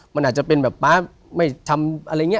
มันอาจจะเป็นแบบป๊าไม่ทำอะไรอย่างนี้